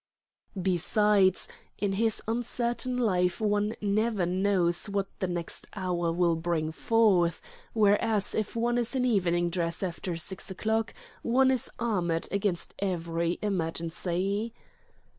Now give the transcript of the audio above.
Besides, in this uncertain life one never knows what the next hour will bring forth; whereas if one is in evening dress after six o'clock, one is armoured against every emergency.